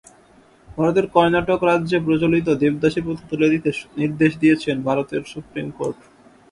ভারতের কর্ণাটক রাজ্যে প্রচলিত দেবদাসী প্রথা তুলে দিতে নির্দেশ দিয়েছেন ভারতের সুপ্রিম কোর্ট।